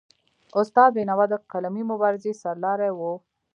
استاد بینوا د قلمي مبارزې سرلاری و.